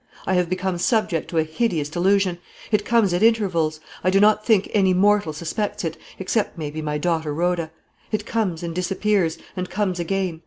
I have become subject to a hideous delusion. It comes at intervals. I do not think any mortal suspects it, except, maybe, my daughter Rhoda. It comes and disappears, and comes again.